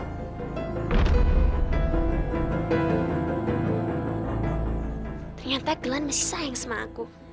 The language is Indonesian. ternyata glenn sayang sama aku